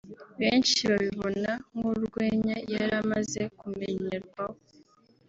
benshi babibona nk'urwenya yari amaze kumenyerwaho